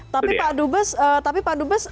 tapi pak dubes tapi pak dubes